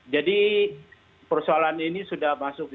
jadi persoalan ini sudah masuk g tujuh